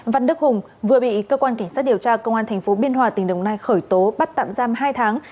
văn đức hùng vừa bị cơ quan cảnh sát điều tra công an tp biên hòa tỉnh đồng nai khởi tố bắt tạm giam hai tháng